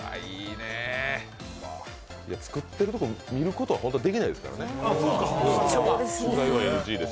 作ってることを見ることも本当はできないですからね。